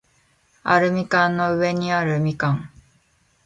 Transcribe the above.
アルミ缶の上にある蜜柑